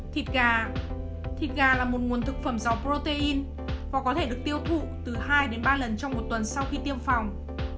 thịt gà thịt gà là một nguồn thực phẩm dầu protein và có thể được tiêu thụ từ hai đến ba lần trong một tuần sau khi tiêm phòng